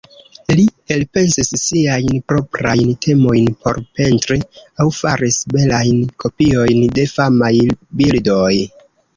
Li elpensis siajn proprajn temojn por pentri aŭ faris belajn kopiojn de famaj bildoj.